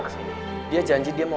ke sini dia janji dia mau